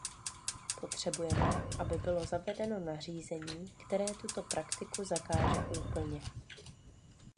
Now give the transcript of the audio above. Potřebujeme, aby bylo zavedeno nařízení, které tuto praktiku zakáže úplně.